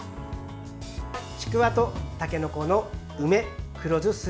ちくわとたけのこの梅黒酢スープです。